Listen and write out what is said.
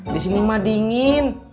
di sini mah dingin